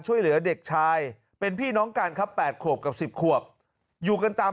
ช่วยเหลือเด็กชายเป็นพี่น้องกันครับ๘ขวบกับ๑๐ขวบอยู่กันตาม